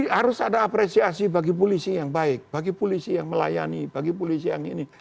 harus ada apresiasi bagi polisi yang baik bagi polisi yang melayani bagi polisi yang ini